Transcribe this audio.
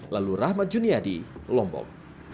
lalu rahmat juniadi lombok